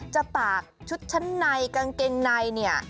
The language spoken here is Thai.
ตากชุดชั้นในกางเกงในเนี่ย